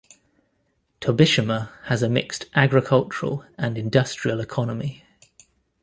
Tobishima has a mixed agricultural and industrial economy.